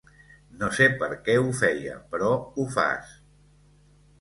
No sé per què ho feia, però ho fas.